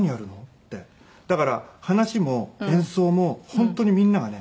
だから話も演奏も本当にみんながね